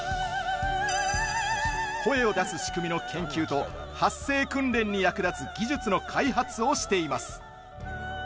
声を出す仕組みの研究と発声訓練に役立つ技術の開発をしています。